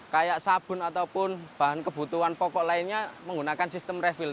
kayak sabun ataupun bahan kebutuhan pokok lainnya menggunakan sistem refil